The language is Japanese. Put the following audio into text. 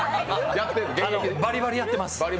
バリバリやってます。